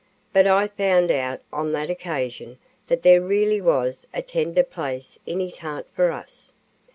But I found out on that occasion that there really was a tender place in his heart for us.